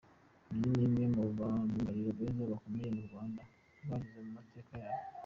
Uyu ni umwe muri ba myugariro beza bakomeye u Rwanda rwagize mu mateka yarwo.